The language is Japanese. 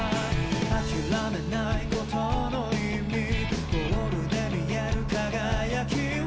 「諦めないことの意味」「ゴールで見える輝きを」